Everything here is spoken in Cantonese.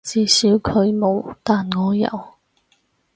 至少佢冇，但我有